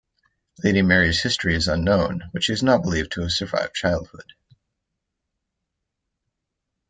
Lady Mary's history is unknown, but she is not believed to have survived childhood.